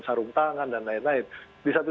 sarung tangan dan lain lain di satu